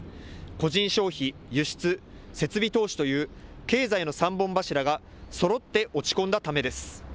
個人消費、輸出、設備投資という経済の３本柱がそろって落ち込んだためです。